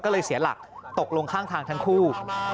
ก็เลยเสียหลักตกลงข้างทางทั้งคู่